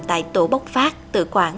tại tổ bốc phát tự quản